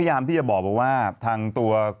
ทางแฟนสาวก็พาคุณแม่ลงจากสอพอ